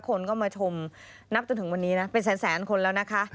คนก็มาชมนับจนถึงวันนี้นะเป็นแสนคนแล้วนะคะ